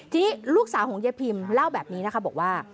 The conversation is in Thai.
ทีนี้ลูกสาวของยายพิมเล่าแบบนี้นะคะบอกว่า